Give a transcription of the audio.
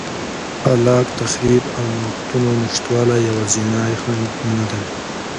خلاق تخریب او نوښتونو نشتوالی یوازینی خنډ نه دی.